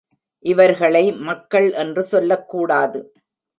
இவர்களை மக்கள் என்று சொல்லக்கூடாது.